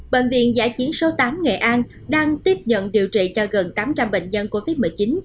bệnh viện giã chiến số tám nghệ an đang tiếp nhận điều trị cho gần tám trăm linh bệnh nhân covid một mươi chín